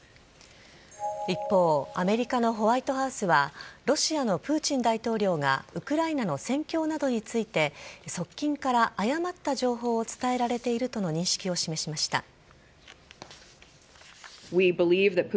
一方アメリカのホワイトハウスはロシアのプーチン大統領がウクライナの戦況などについて側近から誤った情報を伝えられているとの認識を示しました。